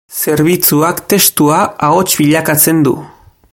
Zerbitzuak testua ahots bilakatzen du.